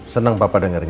senang papa dengarnya